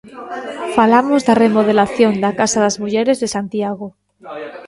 Falamos da remodelación da Casa das Mulleres de Santiago.